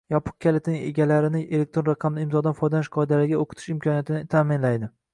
yopiq kalitining egalarini elektron raqamli imzodan foydalanish qoidalariga o‘qitish imkoniyatini ta’minlaydi.